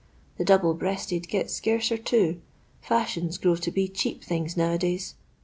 The double breasted gets scarcer, too. Fashions grows to be cheap things now a days.